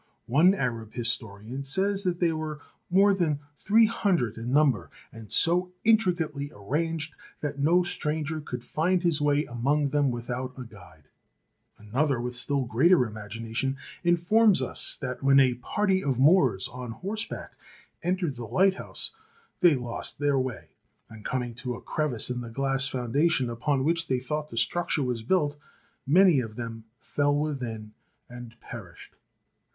One Arab historian says that they were more than three hundred in number, and so intricately arranged that no stranger could find his way among them without a guide. An other, with still greater imagination, informs us that when a party of Moors on horseback entered the lighthouse, they lost their way, and coming THE PHAROS OF ALEXANDRIA 179 to a crevice in the glass foundation upon which they thought the structure was built, many of them fell within and perished.